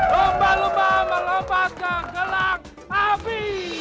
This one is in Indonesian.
lomba lomba melompat ke gelang api